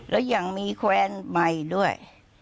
แล้วยังมีแควนใบด้วย